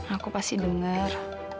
aku pasti denger